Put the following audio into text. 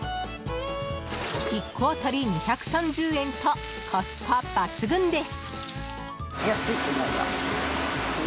１個当たり２３０円とコスパ抜群です。